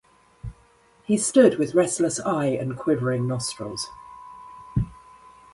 He stood with restless eye and quivering nostrils.